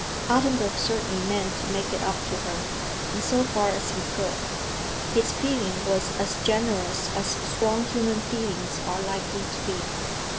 Ottenburg certainly meant to make it up to her, in so far as he could. His feeling was as generous as strong human feelings are likely to be.